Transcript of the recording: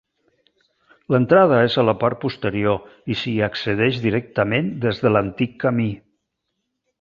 L'entrada és a la part posterior i s'hi accedeix directament des de l'antic camí.